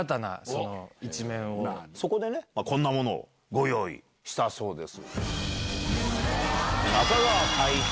そこでこんなものをご用意したそうです。